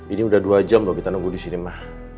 ini udah dua jam loh kita nunggu disini ma